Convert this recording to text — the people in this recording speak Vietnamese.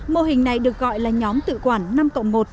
mô hình này được gọi là nhóm tự quản năm cộng một